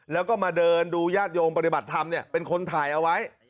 แล้วก็มาเดินดูญาติโยมปฏิบัติธรรมเป็นคนถ่ายเอาไว้